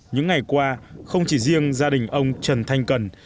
những ngày qua không chỉ riêng gia đình ông trần thanh cần